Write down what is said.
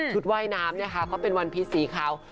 ว่ายน้ำเนี่ยค่ะก็เป็นวันพีชสีขาว